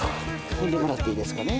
踏んでもらっていいですかね？